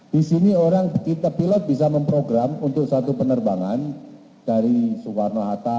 di sini orang kita pilot bisa memprogram untuk satu penerbangan dari soekarno hatta